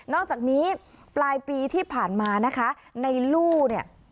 อกจากนี้ปลายปีที่ผ่านมานะคะในลู่เนี่ย